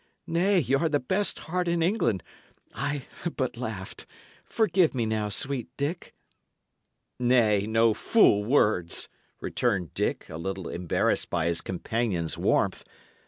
"Nay, y' are the best heart in England; I but laughed. Forgive me now, sweet Dick." "Nay, no fool words," returned Dick, a little embarrassed by his companion's warmth.